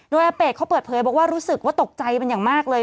โดยอาเปดเขาเปิดเผยบอกว่ารู้สึกว่าตกใจเป็นอย่างมากเลย